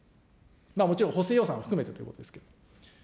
もちろん、補正予算を含めてということですけど。